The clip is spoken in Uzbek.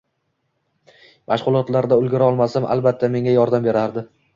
Mashg`ulotlarda ulgura olmasam, albatta menga yordam berardi